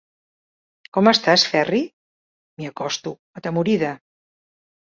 Com estàs, Ferri? –m'hi acosto, atemorida.